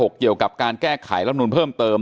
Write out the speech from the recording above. เกี่ยวกับการแก้ไขรับนูลเพิ่มเติม